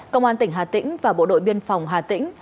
công an tỉnh hà tĩnh và bộ đội biên phòng hà tĩnh